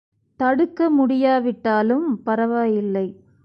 தடுக்க முடியா விட்டாலும் பரவாயில்லை.